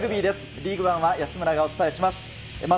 リーグワンは安村がお伝えします。